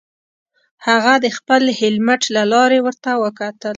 هغه د خپل هیلمټ له لارې ورته وکتل